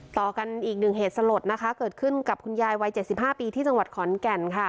ต่อกันอีกหนึ่งเหตุสลดนะคะเกิดขึ้นกับคุณยายวัย๗๕ปีที่จังหวัดขอนแก่นค่ะ